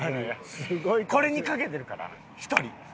これに懸けてるから１人。